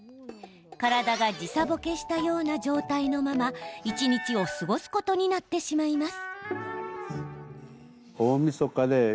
体が時差ぼけしたような状態のまま、一日を過ごすことになってしまいます。